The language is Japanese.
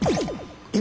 今！